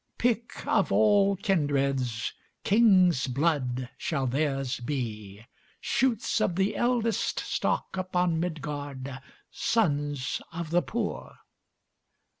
Pick of all kindreds, King's blood shall theirs be, Shoots of the eldestStock upon Midgard, Sons of the poor.